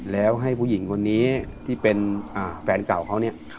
แล้วให้ผู้หญิงคนนี้ที่เป็นแฟนเก่าเขาเนี่ย